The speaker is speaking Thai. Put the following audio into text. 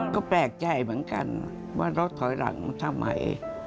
ก็แปลกใจเหมือนกันว่ารถถอยหลังทำไม